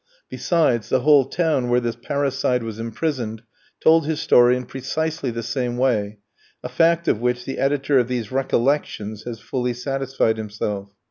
Besides, the whole town where this parricide was imprisoned told his story in precisely the same way, a fact of which the editor of these 'Recollections' has fully satisfied himself.